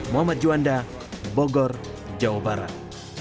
muhammad juanda bogor jawa barat